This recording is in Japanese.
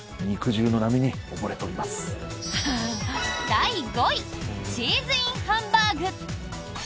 第５位チーズＩＮハンバーグ。